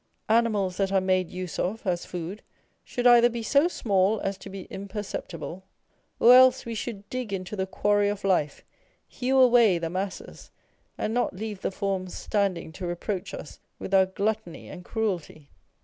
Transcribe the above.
Animals that are made use of as food should either be so small as to be imperceptible, or else we should dig into the quarry of life, hew away the masses, and not leave the form standing to reproach us with our gluttony and cruelty.